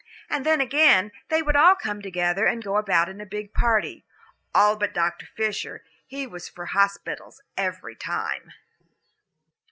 And then again, they would all come together and go about in a big party. All but Dr. Fisher he was for hospitals every time.